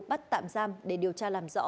bắt tạm giam để điều tra làm rõ